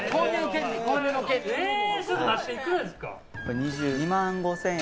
２２万５０００円